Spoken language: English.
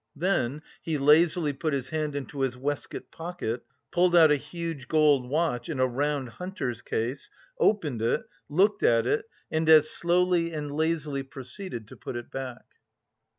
Then he lazily put his hand into his waistcoat pocket, pulled out a huge gold watch in a round hunter's case, opened it, looked at it and as slowly and lazily proceeded to put it back.